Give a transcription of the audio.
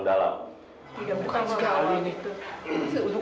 dalam tidak bukan sekali itu